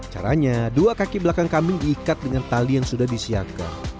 caranya dua kaki belakang kambing diikat dengan tali yang sudah disiapkan